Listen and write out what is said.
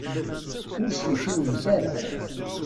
Ur stewtiwemt ara.